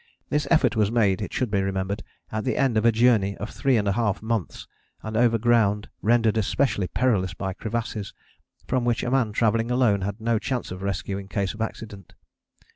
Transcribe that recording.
This effort was made, it should be remembered, at the end of a journey of three and a half months, and over ground rendered especially perilous by crevasses, from which a man travelling alone had no chance of rescue in case of accident.